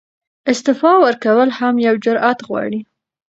استعفاء ورکول هم یو جرئت غواړي.